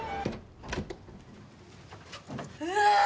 うわ！